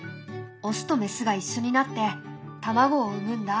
オスとメスが一緒になって卵を産むんだ。